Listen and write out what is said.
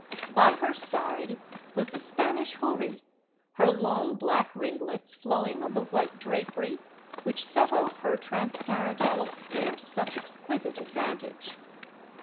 By her side was the Spanish houri, her long black ringlets flowing on the white drapery which set off her transparent olive skin to such exquisite advantage.